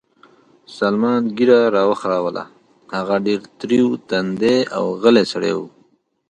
سلمان ږیره را وخروله، هغه ډېر تریو تندی او غلی سړی و.